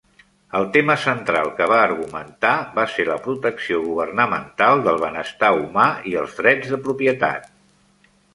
El tema central que va argumentar va ser la protecció governamental del benestar humà i els drets de propietat.